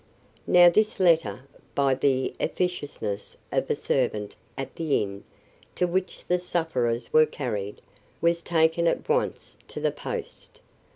Now this letter, by the officiousness of a servant at the inn to which the sufferers were carried, was taken at once to the post.